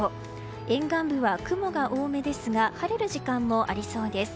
沿岸部は雲が多めですが晴れる時間もありそうです。